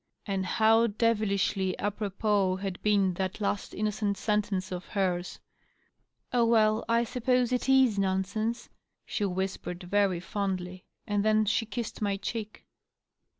And how devilishly d propos had been that last innocent sentence of hers !" Oh, well, I suppose it is nonsense," she whispered, very fondly. And then she kissed my cheek.